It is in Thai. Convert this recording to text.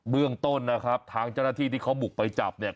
เรื่องต้นนะครับทางเจ้าหน้าที่ที่เขาบุกไปจับเนี่ย